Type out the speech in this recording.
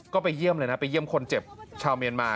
ก็ไปเยี่ยมเลยนะไปเยี่ยมคนเจ็บชาวเมียนมา